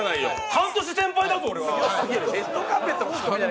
半年先輩だぞ、俺は！